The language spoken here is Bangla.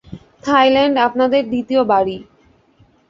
থাইল্যান্ড আপনাদের দ্বিতীয় বাড়ি।